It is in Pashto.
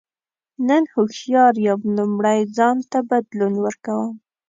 نن هوښیار یم لومړی ځان ته بدلون ورکوم.